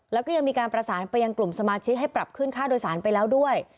แล้วก็ยังมีการประสานไปยังกลุ่มสมาชิกให้ปรับขึ้นค่าโดยสารไปแล้วด้วย